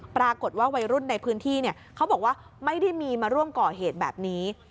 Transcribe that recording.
วัยรุ่นในพื้นที่เขาบอกว่าไม่ได้มีมาร่วมก่อเหตุแบบนี้